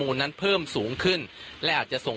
ตอนนี้ผมอยู่ในพื้นที่อำเภอโขงเจียมจังหวัดอุบลราชธานีนะครับ